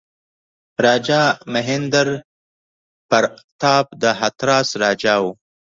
راجا مهیندراپراتاپ د هتراس راجا وو.